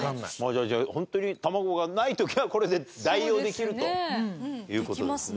じゃあホントに卵がない時はこれで代用できるという事ですね。